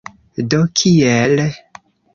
Do, kiel?